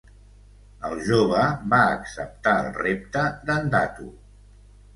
El jove va acceptar el repte d'en Datu.